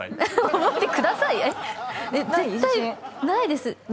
ないです。